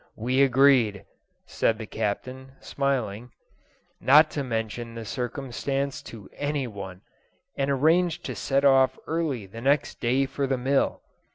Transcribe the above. We agreed," said the Captain, smiling, "not to mention the circumstance to any one, and arranged to set off early the next day for the mill.